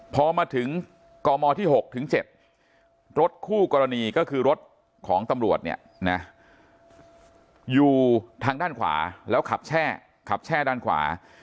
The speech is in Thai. พอมาถึงกมที่๖ถึง๗รถคู่กรณีก็คือรถของตำรวจเนี่ยนะอยู่ทางด้านขวาแล้วขับแช่ขับแช่ด้านขวา